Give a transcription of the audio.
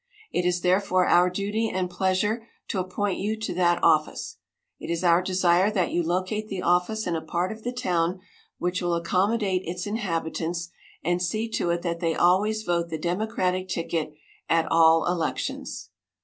It is therefore our duty and pleasure to appoint you to that office. It is our desire that you locate the office in a part of the town which will accommodate its inhabitants, and see to it that they always vote the Democratic ticket at all elections.